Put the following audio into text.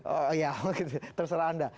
oh iya terserah anda